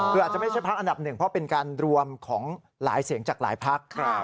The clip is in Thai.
คืออาจจะไม่ใช่พักอันดับหนึ่งเพราะเป็นการรวมของหลายเสียงจากหลายพัก